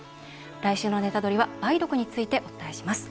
来週の「ネタドリ！」は梅毒についてお伝えします。